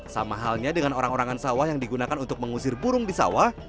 sama halnya dengan orang orangan sawah yang digunakan untuk mengusir burung di sawah